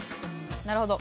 なるほど。